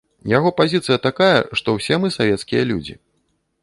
Яго пазіцыя такая, што ўсе мы савецкія людзі.